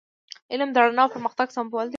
علم د رڼا او پرمختګ سمبول دی.